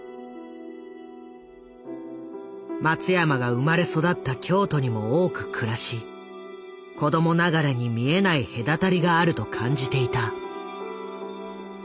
松山が生まれ育った京都にも多く暮らし子供ながらに見えない隔たりがあると感じていた。